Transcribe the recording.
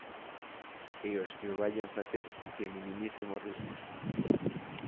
E os que o vaian facer, que minimicen os riscos.